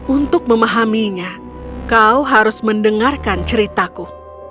untuk memahaminya kau harus mendengarkan ceritaku